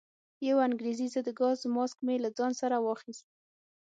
یو انګریزي ضد ګاز ماسک مې له ځان سره واخیست.